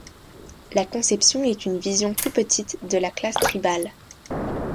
La conception est une vision plus petite de la classe Tribal.